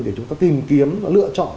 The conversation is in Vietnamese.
để chúng ta tìm kiếm và lựa chọn